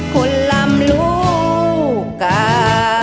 คนลำลูกกา